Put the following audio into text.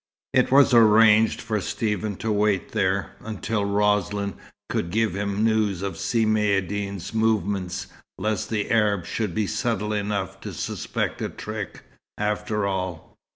It was arranged for Stephen to wait there, until Roslin could give him news of Si Maïeddine's movements, lest the Arab should be subtle enough to suspect a trick, after all.